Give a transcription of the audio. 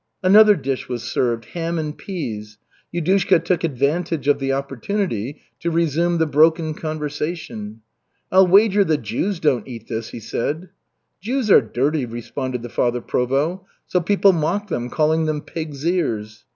Another dish was served, ham and peas. Yudushka took advantage of the opportunity to resume the broken conversation. "I'll wager the Jews don't eat this," he said. "Jews are dirty," responded the Father Provost. "So people mock them, calling them 'pig's ears.'"